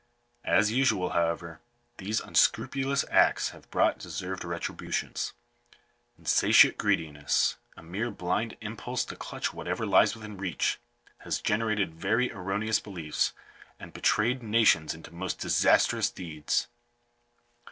As usual, however, these unscrupulous acts have brought deserved retributions. Insatiate greediness — a mere blind impulse to clutch whatever lies within reach — has generated very erroneous beliefs, and be trayed nations into most disastrous deeds.